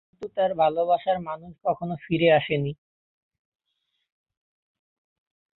কিন্তু তাঁর ভালোবাসার মানুষ আর ফিরে আসে না।